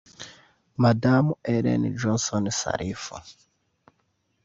Madamu Ellen Johnson Sirleaf